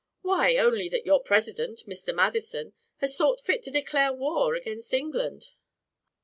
"Why, only that your president, Mr Madison, has thought fit to declare war against England."